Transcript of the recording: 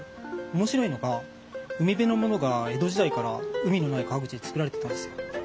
面白いのが海辺のものが江戸時代から海のない川口で作られてたんですよ。